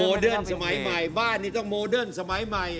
เดิร์นสมัยใหม่บ้านนี้ต้องโมเดิร์นสมัยใหม่